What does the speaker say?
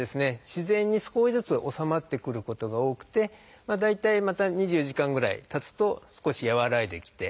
自然に少しずつ治まってくることが多くて大体また２４時間ぐらいたつと少し和らいできて。